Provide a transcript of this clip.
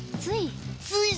つい。